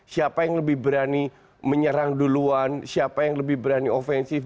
siapa yang lebih berani menyerang duluan siapa yang lebih berani offensif